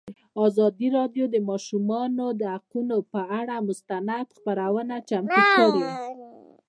ازادي راډیو د د ماشومانو حقونه پر اړه مستند خپرونه چمتو کړې.